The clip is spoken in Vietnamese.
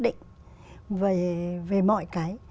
định về mọi cái